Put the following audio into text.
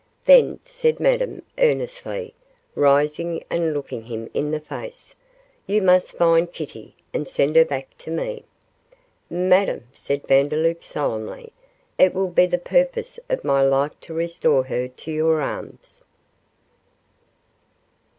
'Then,' said Madame, earnestly, rising and looking him in the face, 'you must find Kitty, and send her back to me.' 'Madame,' said Vandeloup, solemnly, 'it will be the purpose of my life to restore her to your arms.